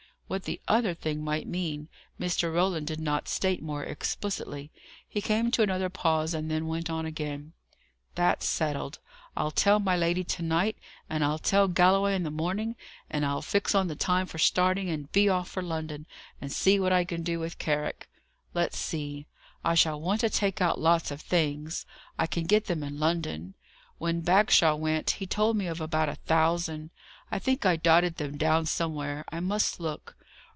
What the "other thing" might mean, Mr. Roland did not state more explicitly. He came to another pause, and then went on again. "That's settled. I'll tell my lady to night, and I'll tell Galloway in the morning; and I'll fix on the time for starting, and be off to London, and see what I can do with Carrick. Let's see! I shall want to take out lots of things. I can get them in London. When Bagshaw went, he told me of about a thousand. I think I dotted them down somewhere: I must look.